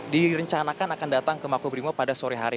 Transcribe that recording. direncanakan akan datang ke makobrimob pada sore hari